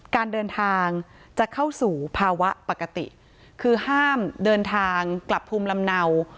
การเดินทางจะเข้าสู่ภาวะปกติคือห้ามเดินทางกลับภูมิลำเนา